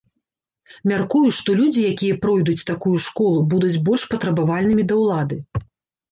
Мяркую, што людзі, якія пройдуць такую школу, будуць больш патрабавальнымі да ўлады.